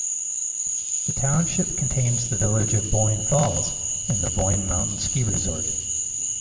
The township contains the village of Boyne Falls and the Boyne Mountain ski resort.